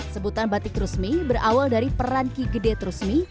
sebutan batik rusmi berawal dari peranki gede trusmi